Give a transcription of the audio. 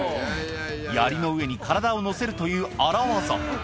やりの上に体を乗せるという荒技。